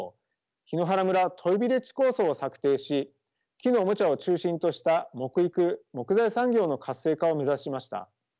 檜原村トイビレッジ構想を策定し木のおもちゃを中心とした木育木材産業の活性化を目指しました。